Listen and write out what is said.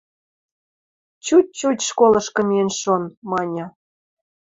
Чуч-чуч школышкы миэн шон... – маньы.